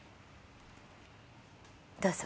どうぞ。